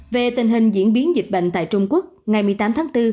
về tình hình diễn biến dịch bệnh tại trung quốc ngày một mươi tám tháng bốn